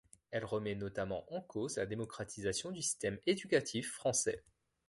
Elle remet notamment en cause la démocratisation du système éducatif français.